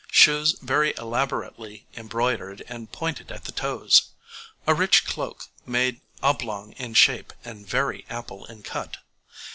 Shoes very elaborately embroidered and pointed at the toes. A rich cloak made oblong in shape and very ample in cut.